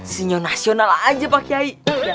sinyo nasional aja pak yai